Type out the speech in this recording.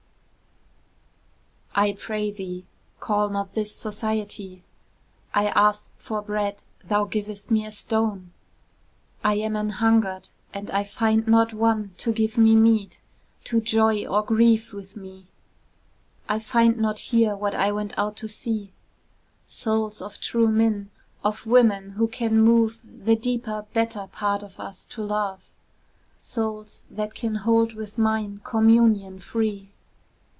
I pray thee call not this society; I asked for bread, thou givest me a stone; I am an hungered, and I find not one To give me meat, to joy or grieve with me; I find not here what I went out to see Souls of true men, of women who can move The deeper, better part of us to love, Souls that can hold with mine communion free.